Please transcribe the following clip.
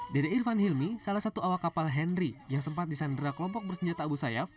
dede irfan hilmi salah satu awak kapal henry yang sempat disandra kelompok bersenjata abu sayyaf